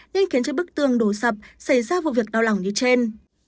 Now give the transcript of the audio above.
nên khiến cho bức tường đổ sập xảy ra vụ việc đau lòng như trên